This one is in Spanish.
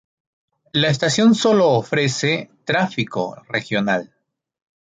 La estación sólo ofrece tráfico regional.